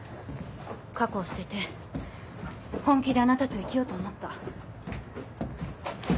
過去を捨てて本気であなたと生きようと思った。